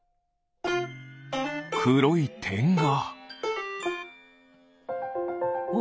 くろいてんが。